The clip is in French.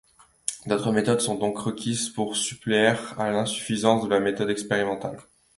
D'autres méthodes sont donc requises pour suppléer à l'insuffisance de la méthode expérimentale.